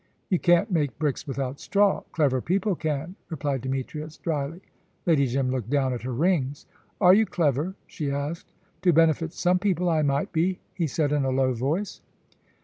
"You can't make bricks without straw." "Clever people can," replied Demetrius, dryly. Lady Jim looked down at her rings. "Are you clever?" she asked. "To benefit some people I might be," he said in a low voice.